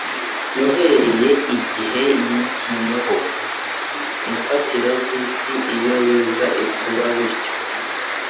Uhereye igihe yashyinyeho imfatiro z'isi, iyo biza icuba bityo.